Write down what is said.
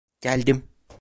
Geldim!